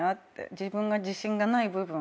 自分が自信がない部分。